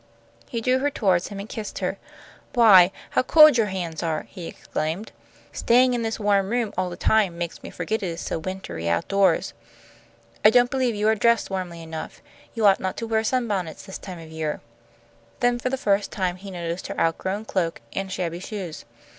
He drew her toward him and kissed her. "Why, how cold your hands are!" he exclaimed. "Staying in this warm room all the time makes me forget it is so wintry outdoors. I don't believe you are dressed warmly enough. You ought not to wear sunbonnets this time of year." Then for the first time he noticed her outgrown cloak and shabby shoes.